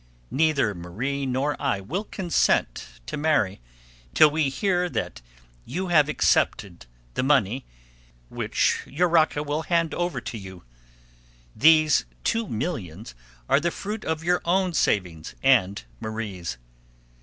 Neither Marie nor I will consent to marry till we hear that you have accepted the money which Urraca will hand over to you. These two millions are the fruit of your own savings and Marie's.